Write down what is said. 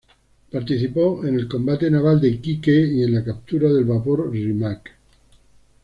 Participó en el combate naval de Iquique y en la captura del vapor "Rímac".